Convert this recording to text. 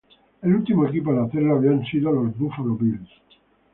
El último equipo en hacerlo habían sido los Buffalo Bills.